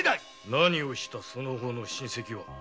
何をしたその方の親類は。